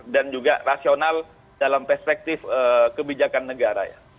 dan juga rasional dalam perspektif kebijakan negara